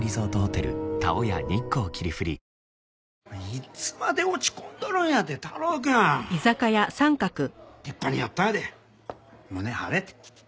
いつまで落ち込んどるんやて太郎くん！立派にやったんやで胸張れて！